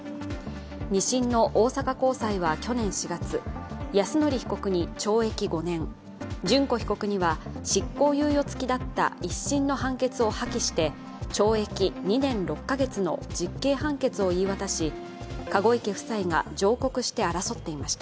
２審の大阪高裁は去年４月泰典被告に懲役５年諄子被告には、執行猶予付きだった１審の判決を破棄して懲役２年６か月の実刑判決を言い渡し籠池夫妻が上告して争っていました。